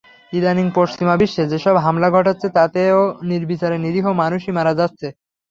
ইদানীং পশ্চিমা বিশ্বে যেসব হামলা ঘটাচ্ছে, তাতেও নির্বিচারে নিরীহ মানুষই মারা যাচ্ছে।